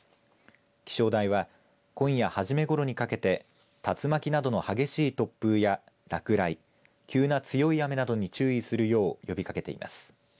気象台は今夜初めごろにかけて竜巻などの激しい突風や落雷急な強い雨などに注意するよう呼びかけています。